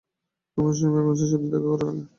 আমার স্বামী, অ্যামোসের সাথে দেখার আগে।